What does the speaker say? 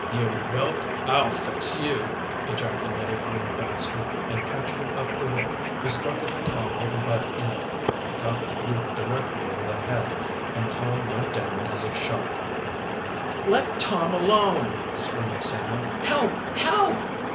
"You whelp! I'll fix you!" ejaculated Arnold Baxter, and catching up the whip, he struck at Tom with the butt end. He caught the youth directly over the head, and Tom went down as if shot. "Let Tom alone," screamed Sam. "Help! help!"